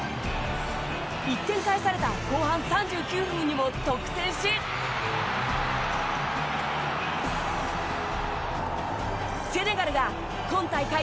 １点返された後半３９分にも得点しセネガルが今大会